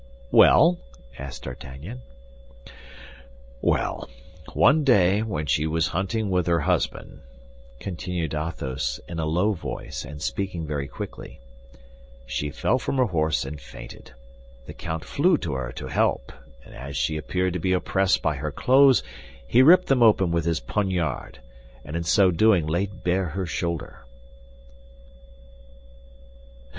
"Well?" asked D'Artagnan. "Well, one day when she was hunting with her husband," continued Athos, in a low voice, and speaking very quickly, "she fell from her horse and fainted. The count flew to her to help, and as she appeared to be oppressed by her clothes, he ripped them open with his poniard, and in so doing laid bare her shoulder.